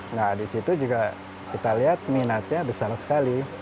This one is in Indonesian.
nah disitu juga kita lihat minatnya besar sekali